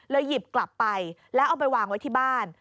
หยิบกลับไปแล้วเอาไปวางไว้ที่บ้าน